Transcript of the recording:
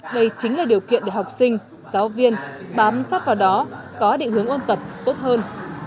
đây chính là điều kiện để học sinh giáo viên bám sát vào đó có định hướng ôn tập tốt hơn